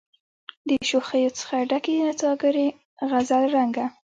د شوخیو څخه ډکي نڅاګرې غزل رنګه